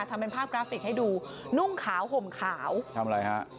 ทำเป็นภาพกราฟิกให้ดูนุ่งขาวห่มขาวทำอะไรฮะ